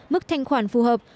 mức thanh khoản phù hợp